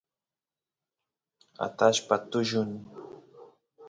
atashpa tullun